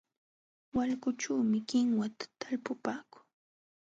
Wayqućhuumi kinwata talpupaakuu.